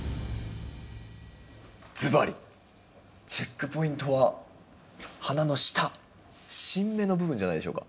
ずばりチェックポイントは花の下新芽の部分じゃないでしょうか？